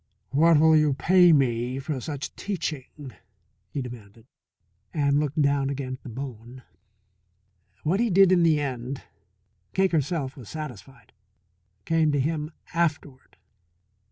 "What will you pay me for such teaching?" he demanded, and looked down again at the bone. What he did in the end, Cake herself was satisfied came to him afterward.